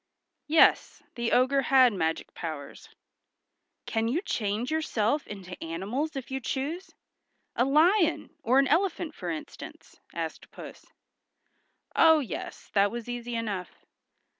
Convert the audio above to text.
Yes, the ogre had magic powers. "Can you change yourself into animals if you choose? A lion or an elephant for instance?" asked Puss. Oh, yes, that was easy enough.